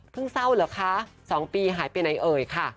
เพิ่งเศร้าเหรอคะสองปีหายไปไหนเอ่ยคะ